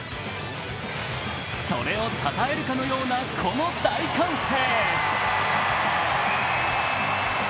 それをたたえるかのようなこの大歓声。